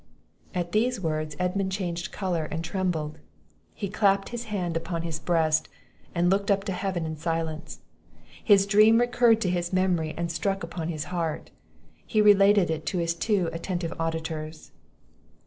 At these words Edmund changed colour and trembled; he clapped his hand upon his breast, and looked up to Heaven in silence; his dream recurred to his memory, and struck upon his heart. He related it to his attentive auditors.